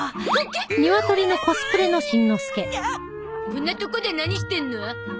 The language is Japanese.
こんなとこで何してるの？